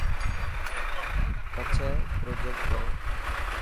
پڇي پروجيڪٽ ڪرو.